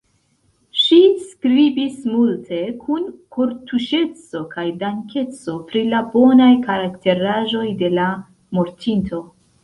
Ŝi skribis multe, kun kortuŝeco kaj dankeco, pri la bonaj karakteraĵoj de la mortinto.